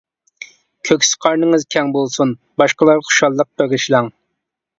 كۆكسى قارنىڭىز كەڭ بولسۇن، باشقىلارغا خۇشاللىق بېغىشلاڭ.